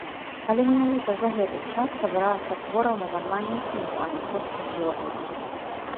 Але менавіта за гэты час сабралася твораў на нармальную кнігу, а не проста зборнік.